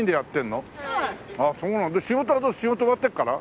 仕事はどう仕事終わってから？